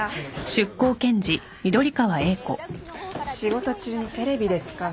仕事中にテレビですか。